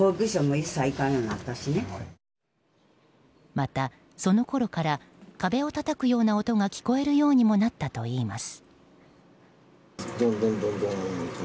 また、そのころから壁をたたくような音が聞こえるようにもなったといいます。